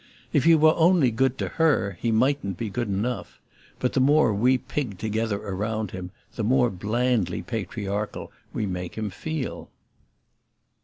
If he were only good to HER he mightn't be good enough; but the more we pig together round about him the more blandly patriarchal we make him feel.